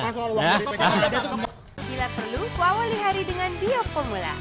bila perlu kuawali hari dengan bioformula